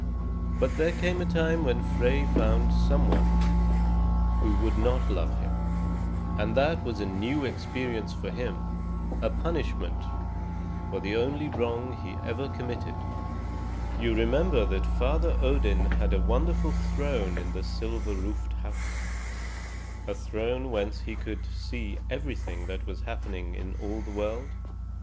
But there came a time when Frey found some one who would not love him; and that was a new experience for him, a punishment for the only wrong he ever committed. You remember that Father Odin had a wonderful throne in the silver roofed house, a throne whence he could see everything that was happening in all the world?